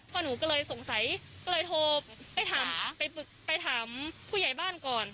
หนูก็เลยสงสัยก็เลยโทรไปถามไปถามผู้ใหญ่บ้านก่อน